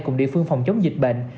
cùng địa phương phòng chống dịch bệnh